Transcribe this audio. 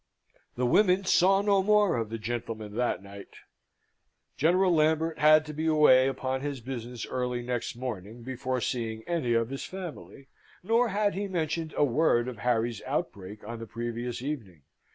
The women saw no more of the gentlemen that night. General Lambert had to be away upon his business early next morning, before seeing any of his family; nor had he mentioned a word of Harry's outbreak on the previous evening.